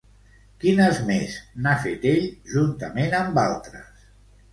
Quines més n'ha fet ell juntament amb altres?